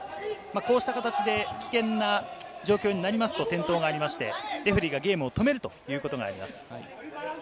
こうした形で危険な状況になりますと、転倒がありまして、レフェリーがゲームを止めるということがあります。